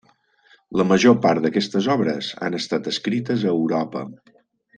La major part d'aquestes obres han estat escrites a Europa.